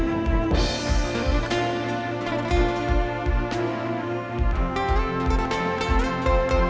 ทุกคนพร้อมแล้วขอเสียงปลุ่มมือต้อนรับ๑๒สาวงามในชุดราตรีได้เลยค่ะ